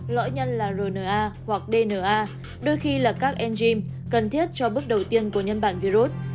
lõi nhân là rna hoặc dna đôi khi là các enzym cần thiết cho bước đầu tiên của nhân bản virus